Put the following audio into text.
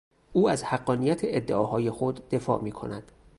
او از حقانیت ادعاهای خود دفاع میکند.